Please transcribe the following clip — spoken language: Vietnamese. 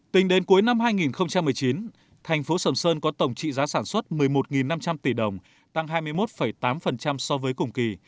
tính đến cuối năm hai nghìn một mươi chín thành phố sầm sơn có tổng trị giá sản xuất một mươi một năm trăm linh tỷ đồng tăng hai mươi một tám so với cùng kỳ